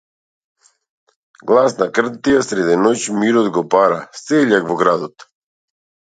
Гласна крнтија сред ноќ мирот го пара -сељак во градот.